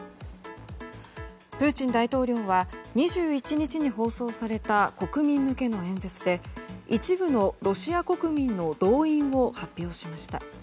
プーチン大統領は２１日に放送された国民向けの演説で一部のロシア国民の動員を発表しました。